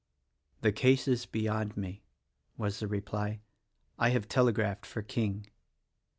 "The case is beyond me," was the reply, "I have tele graphed for King."